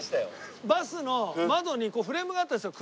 バスの窓にこうフレームがあったんですよ